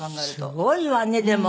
すごいわねでも。